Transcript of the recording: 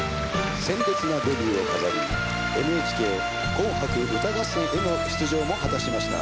鮮烈なデビューを飾り『ＮＨＫ紅白歌合戦』への出場も果たしました。